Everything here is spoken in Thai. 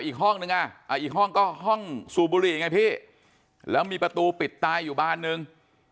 อีกห้องนึงอ่ะอีกห้องก็ห้องสูบบุหรี่ไงพี่แล้วมีประตูปิดตายอยู่บานนึง